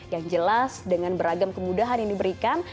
yang jelas dengan beragam kemudahan yang diberikan